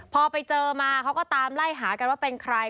พอไปเจอมาเขาก็ตามไล่หากันว่าเป็นใคร